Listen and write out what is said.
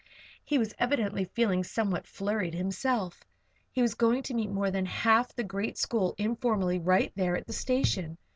He was evidently feeling somewhat flurried himself. He was going to meet more than half the great school informally right there at the station.